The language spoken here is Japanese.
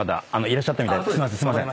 すいません。